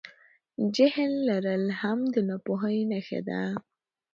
جهل لرل هم د ناپوهۍ نښه ده.